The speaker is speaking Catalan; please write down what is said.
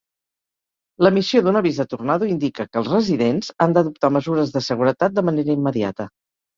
L'emissió d'un avís de tornado indica que els residents han d'adoptar mesures de seguretat de manera immediata.